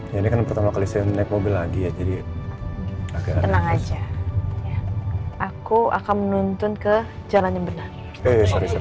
ya ini kan pertama kali saya naik mobil lagi ya jadi tenang aja aku akan menuntun ke jalan yang benar